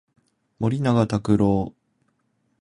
森永卓郎